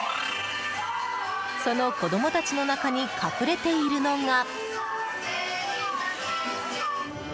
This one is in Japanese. その子供たちの中に隠れているのが。